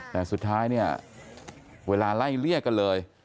แต่สุดท้ายเนี่ยเวลาไล่เลี่ยกันเลย